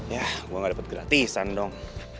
yah gue gak dapet gratisan dong